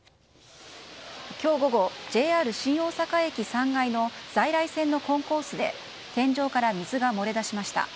今日午後、ＪＲ新大阪駅３階の在来線のコンコースで天井から水が漏れ出しました。